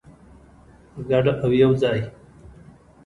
په ګډه او یوځای.